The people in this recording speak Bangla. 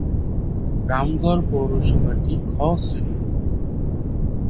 রামগড় পৌরসভাটি 'খ' শ্রেণিভুক্ত।